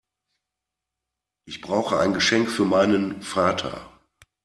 Ich brauche ein Geschenk für meinen Vater.